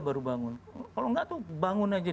baru bangun kalau enggak tuh bangun aja